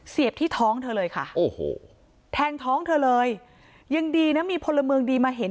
ที่ท้องเธอเลยค่ะโอ้โหแทงท้องเธอเลยยังดีนะมีพลเมืองดีมาเห็น